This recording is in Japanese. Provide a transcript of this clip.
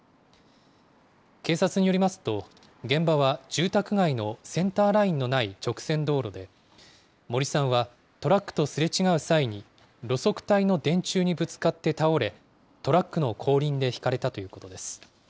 警察によりますと、現場は住宅街のセンターラインのない直線道路で、森さんはトラックとすれ違う際に路側帯の電柱にぶつかって倒れ、トラックの後輪でひかれたということです。